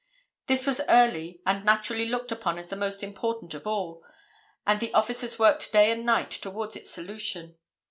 This was early, and naturally looked upon as the most important of all, and the officers worked day and night towards its solution.